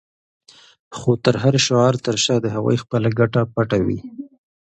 خو د هر شعار تر شا د هغوی خپله ګټه پټه وي.